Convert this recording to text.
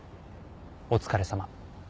お疲れさま。